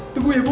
tunggu ya bu